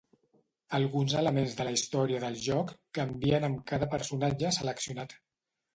Alguns elements de la història del joc canvien amb cada personatge seleccionat.